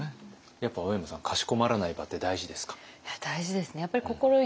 やっぱ青山さんかしこまらない場って大事ですか？